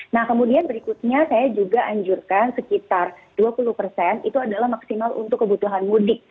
nah kemudian berikutnya saya juga anjurkan sekitar dua puluh persen itu adalah maksimal untuk kebutuhan mudik